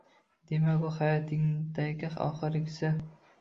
Demak, u hayotingdagi oxirgisi